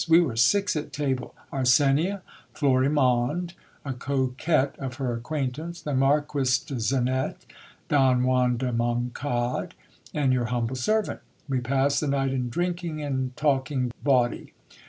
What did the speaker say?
We were six at table : Arsenia, Florimonde, a coquet of her acquaint ance, the Marquis de Zenette, Don Juan de Moncade, and your humble servant. We passed the night in drinking and talking oawdy.